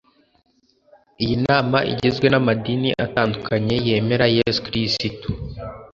Iyi nama igizwe n’amadini atandukanye yemera Yesu Kirisitu